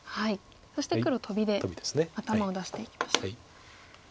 そして黒トビで頭を出していきました。